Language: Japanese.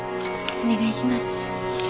お願いします。